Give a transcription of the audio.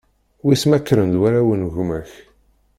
Wiss ma kkren-d warraw n gma-k?